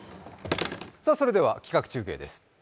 それでは企画中継です。